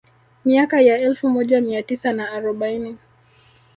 Miaka ya elfu moja mia tisa na arobaini